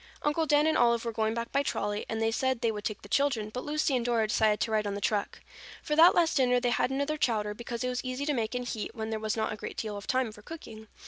Uncle Dan and Olive were going back by trolley and they said they would take the children, but Lucy and Dora decided to ride on the truck. For that last dinner they had another chowder, because it was easy to make and to heat when there was not a great deal of time for cooking.